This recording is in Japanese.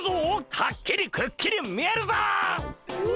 はっきりくっきり見えるぞっ！